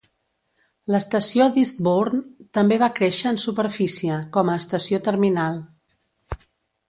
L'estació d'Eastbourne també va créixer en superfície, com a estació terminal.